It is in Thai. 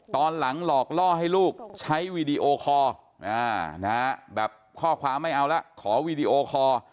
ตอนหลังหลอกล่อให้ลูกใช้วีดีโอคอร์แบบข้อความไม่เอาละขอวีดีโอคอร์